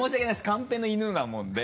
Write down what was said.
カンペの犬なもんで。